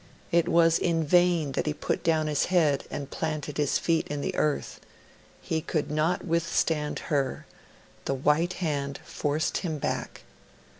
It was in vain that he put down his head and planted his feet in the earth; he could not withstand her; the white hand forced him back.